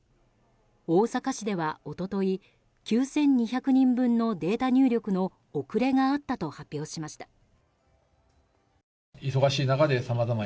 大阪市では、一昨日９２００人分のデータ入力の遅れがあったと発表しました。